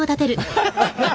アハハハ！